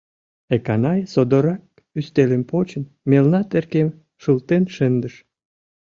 Эканай содоррак, ӱстелым почын, мелна теркем шылтен шындыш.